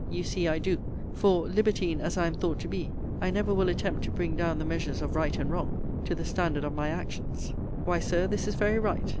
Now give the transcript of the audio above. You see I do. For, libertine as I am thought to be, I never will attempt to bring down the measures of right and wrong to the standard of my actions. Why, Sir, this is very right.